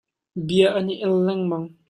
Bia an i el lengmang.